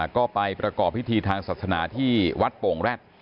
ก็ไปประกอบพิธีทางศาสนาที่วัดโป่งแร็ด